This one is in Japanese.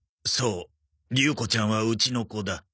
そう竜子ちゃんはうちの子だ。